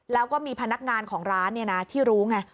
แล้วก็มีพนักงานของร้านที่รู้ไง